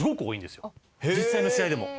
実際の試合でも。